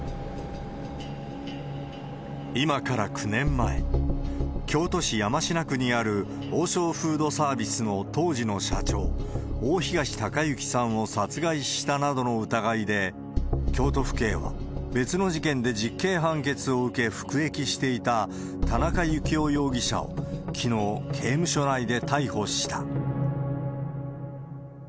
今から９年前、京都市山科区にある王将フードサービスの当時の社長、大東隆行さんを殺害したなどの疑いで、京都府警は別の事件で実刑判決を受け、服役していた田中幸雄容疑者をきのう、刑務所内で逮捕した。